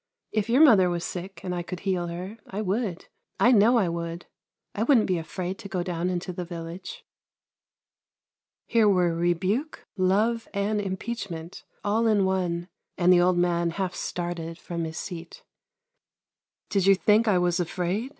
" If your mother was sick, and I could heal her, I would — I know I would — I wouldn't be afraid to go down into the village." Here were rebuke, love, and impeachment, all in one, and the old man half started from his seat. " Did you think I was afraid ?